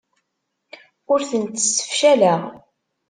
Ur tent-ssefcaleɣ.